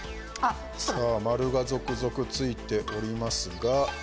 さあ丸が続々ついておりますが。